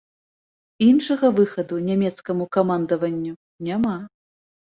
Іншага выхаду нямецкаму камандаванню няма.